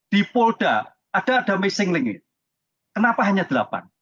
di polda ada missing link ini kenapa hanya delapan